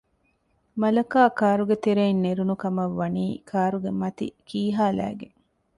މަލަކާ ކާރުގެތެރެއިން ނެރުނު ކަމަށްވަނީ ކާރުގެ މަތި ކީހާލައިގެން